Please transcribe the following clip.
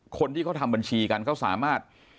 คนที่เขาทำบัญชีกันเขาสามารถ